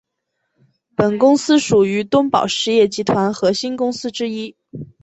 本公司属于东宝实业集团核心公司之一。